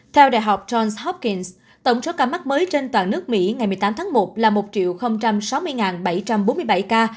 theo đại học johns hopkings tổng số ca mắc mới trên toàn nước mỹ ngày một mươi tám tháng một là một sáu mươi bảy trăm bốn mươi bảy ca